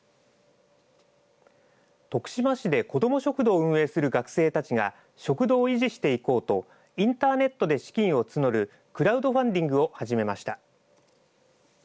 徳島市で子ども食堂を運営する学生たちが食堂を維持していこうとインターネットで資金を募るクラウドファンディングを始めました。